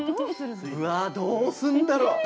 うわどうすんだろ！